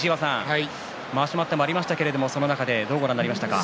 まわし待ったもあった中でどうご覧になりましたか。